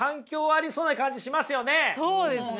そうですね